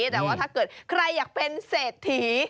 แต่ว่าถ้าเกิดใครอยากเป็นเศรษฐี